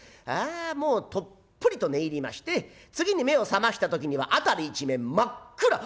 ああもうとっぷりと寝入りまして次に目を覚ました時には辺り一面真っ暗。